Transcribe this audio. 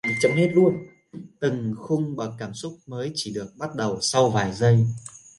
Từng khung bậc cảm xúc mới chỉ được bắt đầu sau vài giây